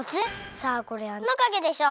さあこれはなんのかげでしょう？